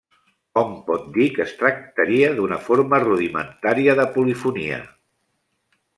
Hom pot dir que es tractaria d'una forma rudimentària de polifonia.